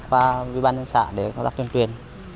ủy ban dân xã để công tác tuyên truyền